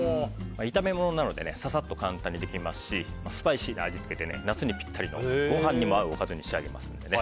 炒め物なのでササッと簡単にできますしスパイシーな味付けで夏にピッタリのご飯にも合うおかずに仕上げますのでね。